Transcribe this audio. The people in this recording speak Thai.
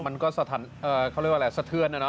มันก็สะทันเขาเรียกว่าอะไรสะเทือนนะ